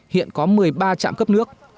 hiện có một mươi ba chạm cấp nước